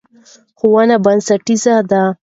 ښوونه بنسټیزه ده.